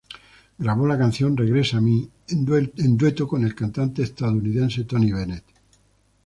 Grabó la canción "Regresa a mí" en dueto con el cantante estadounidense Tony Bennett.